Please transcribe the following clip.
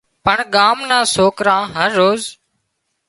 پڻ ڳام نان سوڪران هروز